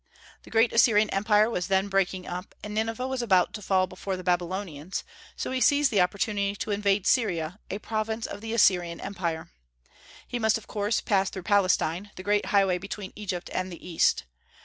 The great Assyrian empire was then breaking up, and Nineveh was about to fall before the Babylonians; so he seized the opportunity to invade Syria, a province of the Assyrian empire. He must of course pass through Palestine, the great highway between Egypt and the East.